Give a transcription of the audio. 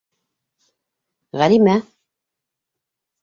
Ғәлимә.